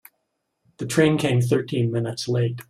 The train came thirteen minutes late.